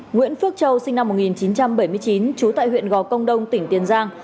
nguyễn phước châu sinh năm một nghìn chín trăm bảy mươi chín trú tại huyện gò công đông tỉnh tiền giang